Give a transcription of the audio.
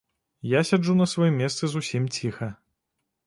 Я сяджу на сваім месцы зусім ціха.